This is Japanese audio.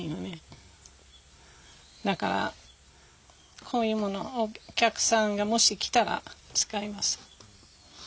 だからこういうものをお客さんがもし来たら使います。